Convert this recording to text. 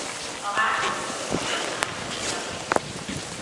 我媽絕對做到晒所有嘢